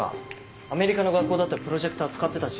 アメリカの学校だってプロジェクター使ってたし。